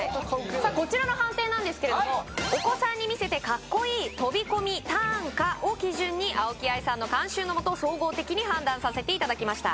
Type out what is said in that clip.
さあこちらの判定なんですけれどもお子さんに見せてカッコイイ飛び込みターンかを基準に青木愛さんの監修のもと総合的に判断させていただきました